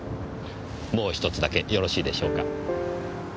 もう１つだけよろしいでしょうか？